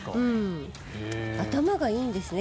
頭がいいんですね